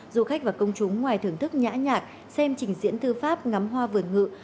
du khách và công chúng ngoài thưởng thức nhã nhạc xem trình diễn thư pháp ngắm hoa vườn ngự